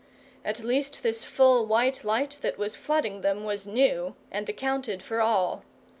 At least this full white light that was flooding them was new, and accounted for all.